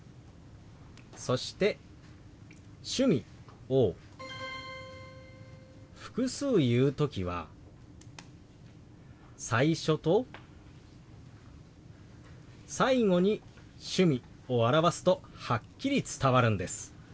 そして「趣味」を複数言う時は最初と最後に「趣味」を表すとはっきり伝わるんです。